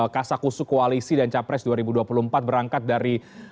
kasakusuk koalisi dan capres dua ribu dua puluh empat berangkat dari